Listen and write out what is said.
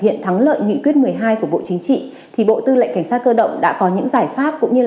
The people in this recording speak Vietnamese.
hiện thắng lợi nghị quyết một mươi hai của bộ chính trị thì bộ tư lệnh cảnh sát cơ động đã có những giải pháp cũng như